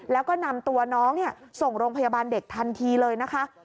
แล้วก็นำตัวน้องส่งโรงพยาบาลเด็กทันทีเลยนะคะ